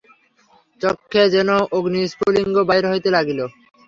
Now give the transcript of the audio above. চক্ষে যেন অগ্নিস্ফুলিঙ্গ বাহির হইতে লাগিল।